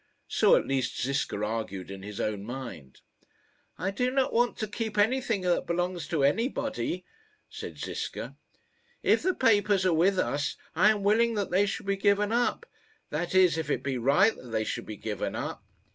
So at least Ziska argued in his own mind. "I do not want to keep anything that belongs to anybody," said Ziska. "If the papers are with us, I am willing that they should be given up that is, if it be right that they should be given up."